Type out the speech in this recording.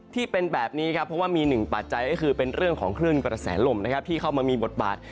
ที่เป็นแบบนี้ครับเพราะว่ามีหนึ่งปัจจัยก็คือเป็นเรื่องของคลื่นกระแสลมนะครับที่เข้ามามีบทบาท